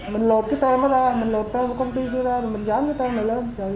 mình lột cái tem nó ra mình lột cái công ty kia ra rồi mình dán cái tem này lên